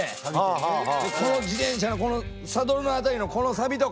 この自転車のサドルの辺りのこのサビとか。